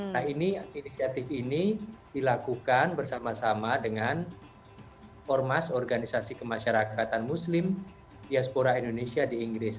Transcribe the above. nah ini inisiatif ini dilakukan bersama sama dengan ormas organisasi kemasyarakatan muslim diaspora indonesia di inggris